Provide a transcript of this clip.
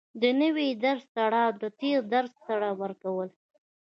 د نوي درس تړاو د تېر درس سره ورکول